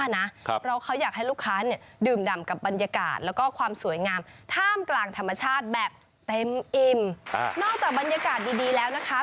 นอกจากบรรยากาศดีแล้วนะคะ